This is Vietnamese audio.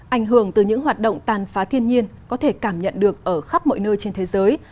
ảnh hưởng từ những hoạt động tàn phá thiên nhiên có thể cảm nhận được ở khắp mọi nơi trên thế giới